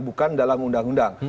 bukan dalam undang undang